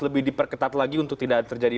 lebih diperketat lagi untuk tidak terjadi